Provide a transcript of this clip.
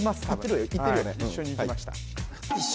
はい一緒に行きました